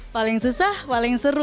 paling susah paling seru